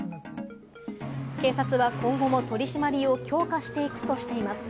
警察は今後も取り締まりを強化していくとしています。